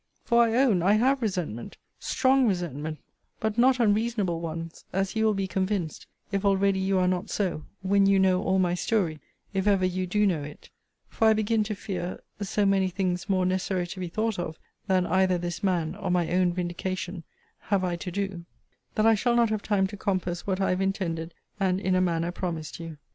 For I own I have resentment, strong resentment, but not unreasonable ones, as you will be convinced, if already you are not so, when you know all my story if ever you do know it for I begin to fear (so many things more necessary to be thought of than either this man, or my own vindication, have I to do) that I shall not have time to compass what I have intended, and, in a manner, promised you.